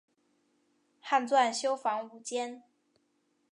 汉纂修房五间。